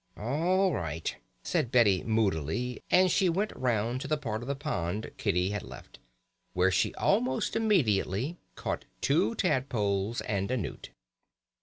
"All right," said Betty moodily, and she went round to the part of the pond Kitty had left, where she almost immediately caught two tadpoles and a newt.